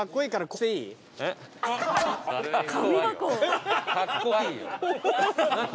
かっこわりいよ。